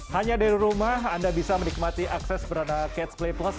hanya dari rumah anda bisa menikmati akses berada catch play plus